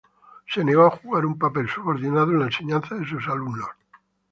Se negó a jugar un papel subordinado en la enseñanza de sus alumnos.